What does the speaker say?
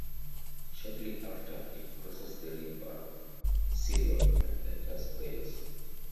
Shortly after, it crosses the River Ceiriog and enters Wales.